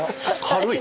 軽い。